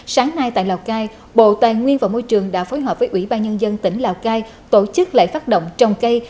sáng nay tại lào cai bộ tài nguyên và môi trường đã phối hợp với ủy ban nhân dân tỉnh lào cai tổ chức lễ phát động trồng cây